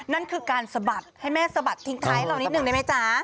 นั่นคือการสะบัดให้แม่สะบัดทิ้งท้ายให้เรานิดนึงได้ไหมจ๊ะ